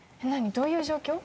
どういう状況？